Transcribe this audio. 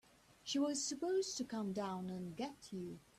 She was supposed to come down and get you.